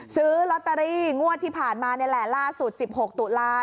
ซื้อรอตตาลีงวดที่ผ่านมาแหละล่าสุด๑๖ตุลาคม